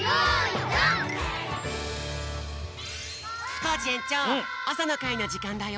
コージえんちょうあさのかいのじかんだよ。